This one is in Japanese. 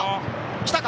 来たか。